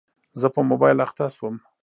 زه په موبایل اخته شوم.